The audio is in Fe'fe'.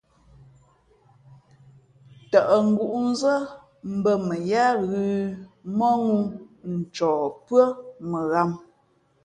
Tαʼ ngǔʼnzά mbᾱ mα yáá ghʉ̌ mάŋū ncɔ pʉ́ά ghǎm.